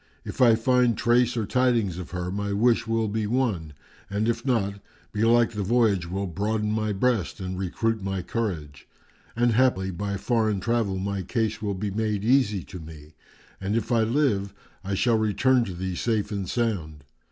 If I find trace or tidings of her, my wish will be won, and if not, belike the voyage will broaden my breast and recruit my courage; and haply by foreign travel my case will be made easy to me, and if I live, I shall return to thee safe and sound."